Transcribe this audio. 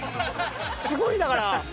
すごいんだから！